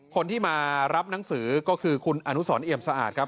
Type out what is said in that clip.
คนที่มารับหนังสือก็คือคุณอนุสรเอี่ยมสะอาดครับ